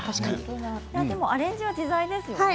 アレンジ自在ですね。